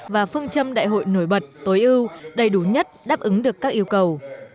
và phương châm đại hội nổi bật tối ưu đầy đủ nhất đáp ứng được các yêu cầu